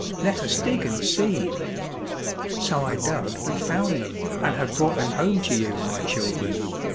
Let us dig and see." SoU dug and found them, and have brought them home to you, my children.